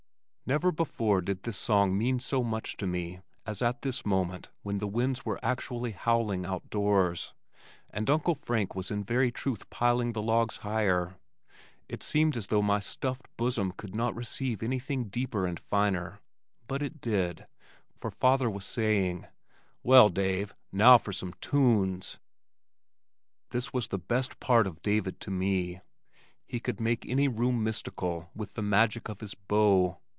Never before did this song mean so much to me as at this moment when the winds were actually howling outdoors, and Uncle Frank was in very truth piling the logs higher. It seemed as though my stuffed bosom could not receive anything deeper and finer, but it did, for father was saying, "Well, Dave, now for some tunes." This was the best part of David to me. He could make any room mystical with the magic of his bow.